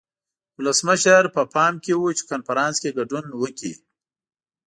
ولسمشر په پام کې و چې کنفرانس کې ګډون وکړي.